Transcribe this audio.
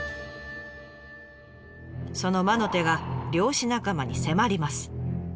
その魔の手が漁師仲間に迫ります。